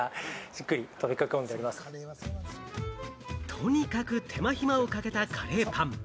とにかく手間暇をかけたカレーパン。